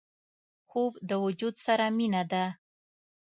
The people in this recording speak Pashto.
خوب د وجود سره مینه ده